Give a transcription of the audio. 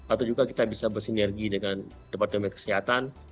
atau juga kita bisa bersinergi dengan departemen kesehatan